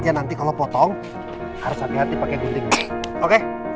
ya nanti kalau potong harus hati hati pakai gunting oke